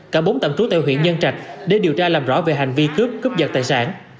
cả bốn tạm trú tại huyện nhân trạch để điều tra làm rõ về hành vi cướp cướp giật tài sản